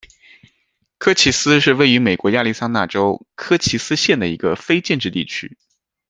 科奇斯是位于美国亚利桑那州科奇斯县的一个非建制地区。